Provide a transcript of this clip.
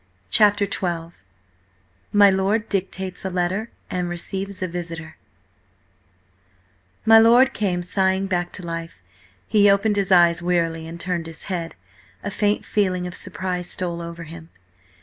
CHAPTER XII MY LORD DICTATES A LETTER AND RECEIVES A VISITOR MY LORD came sighing back to life. He opened his eyes wearily, and turned his head. A faint feeling of surprise stole over him.